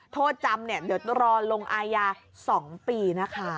โทษจำเดี๋ยวต้องรอลงอายา๒ปีนะคะ